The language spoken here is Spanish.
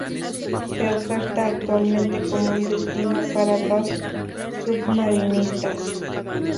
Se oferta actualmente como un destino para los submarinistas.